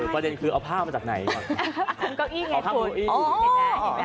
ประเด็นคือเอาผ้ามาจากไหนก่อน